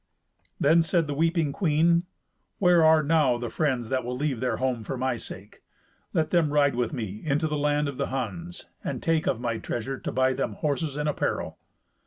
Then said the weeping queen, "Where are now the friends that will leave their home for my sake? Let them ride with me into the land of the Huns, and take of my treasure to buy them horses and apparel."